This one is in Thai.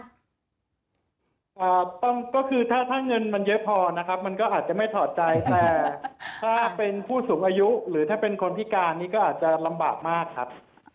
ก็คือถ้าถ้าเงินมันเยอะพอนะครับมันก็อาจจะไม่ถอดใจแต่ถ้าเป็นผู้สูงอายุหรือถ้าเป็นคนพิการนี้ก็อาจจะลำบากมากครับ